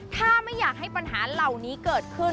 ถ้าไม่อยากให้ปัญหาเหล่านี้เกิดขึ้น